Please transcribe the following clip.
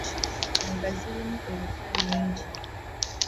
Enva zirimu ebika bingi.